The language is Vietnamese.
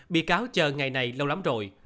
bị cáo chờ ngày này lâu lắm rồi